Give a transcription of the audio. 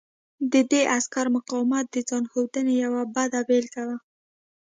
د دې عسکر مقاومت د ځان ښودنې یوه بده بېلګه وه